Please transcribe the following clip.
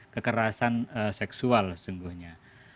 kekerasan seksual sesungguhnya